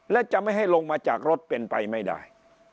และจะไม่ให้ลงมาจากรถเป็นไปไม่ได้